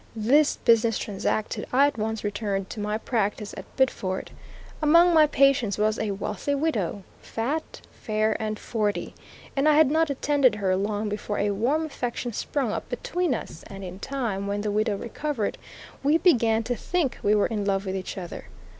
This business transacted, I at once returned to my practice at Biddeford. Among my patients was a wealthy widow, "fat, fair, and forty," and I had not attended her long before a warm affection sprung up between us, and in time, when the widow recovered, we began to think we were in love with each other.